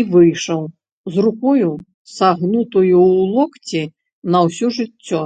І выйшаў з рукою, сагнутаю ў локці на ўсё жыццё.